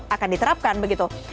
akan diterapkan begitu